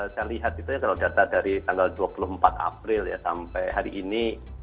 saya lihat itu kalau data dari tanggal dua puluh empat april ya sampai hari ini